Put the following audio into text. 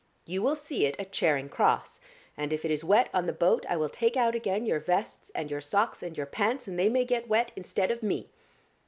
"You will see it at Charing Cross. And if it is wet on the boat I will take out again your vests and your socks and your pants, and they may get wet instead of me."